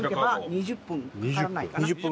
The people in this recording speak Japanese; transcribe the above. ２０分かからない？